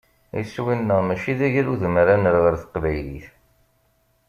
Iswi-nneɣ mačči d agrudem ara nerr ɣer teqbaylit.